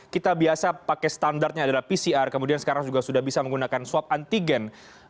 kita biasa pakai standarnya adalah pcr kemudian sekarang juga sudah bisa menggunakan swab antigen